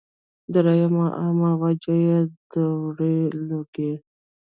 دريمه عامه وجه ئې دوړې ، لوګي